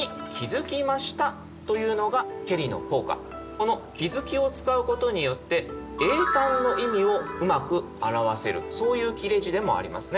この気づきを使うことによって詠嘆の意味をうまく表せるそういう切れ字でもありますね。